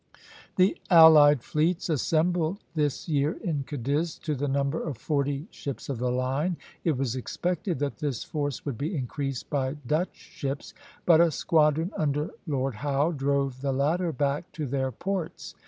The allied fleets assembled this year in Cadiz, to the number of forty ships of the line. It was expected that this force would be increased by Dutch ships, but a squadron under Lord Howe drove the latter back to their ports.